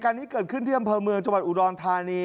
นี้เกิดขึ้นที่อำเภอเมืองจังหวัดอุดรธานี